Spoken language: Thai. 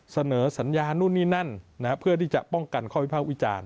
เสนอสัญญานู่นนี่นั่นเพื่อที่จะป้องกันข้อวิภาควิจารณ์